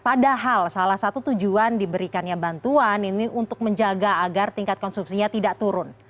padahal salah satu tujuan diberikannya bantuan ini untuk menjaga agar tingkat konsumsinya tidak turun